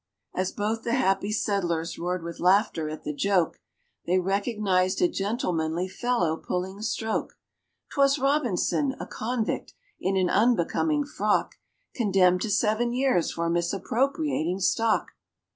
As both the happy settlers roared with laughter at the joke, They recognised a gentlemanly fellow pulling stroke: 'Twas ROBINSON a convict, in an unbecoming frock! Condemned to seven years for misappropriating stock!!!